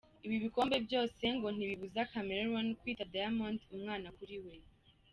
Ibi bikombe byose ngo ntibibuza Chameleone kwita Diamond umwana kuri we.